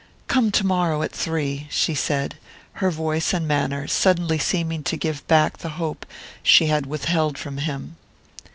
"Come tomorrow at three," she said, her voice and manner suddenly seeming to give back the hope she had withheld from him.